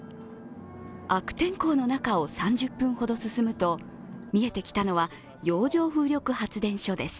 悪天候の中を３０分ほど進むと、見えてきたのは、洋上風力発電所です。